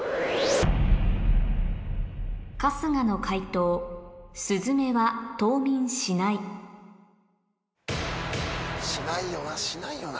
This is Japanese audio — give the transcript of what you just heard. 春日の解答「スズメは冬眠しない」しないよな？